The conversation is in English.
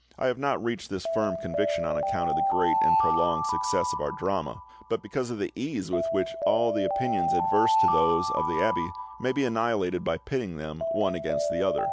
I have not reached this firm conviction on account of the great and prolonged success of our drama, but because of the ease with which all the opinions adverse to those of the abbe may be annihilated by pitting them one against the other.